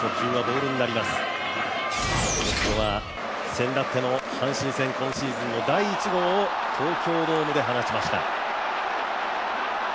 先だっての阪神戦、今シーズン第１号を東京ドームで放ちました。